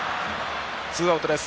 ツーアウトです。